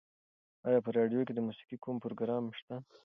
ایا په راډیو کې د موسیقۍ کوم پروګرام شته؟